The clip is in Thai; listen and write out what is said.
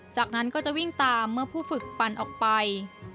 จากนั้นก็จะวิ่งตามเมื่อผู้ฝึกปั่นออกไป